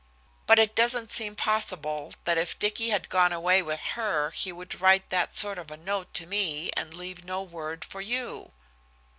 But it doesn't seem possible that if Dicky had gone away with her he would write that sort of a note to me and leave no word for you."